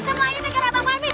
semua ini terkena bang farmin